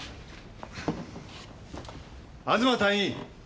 東隊員！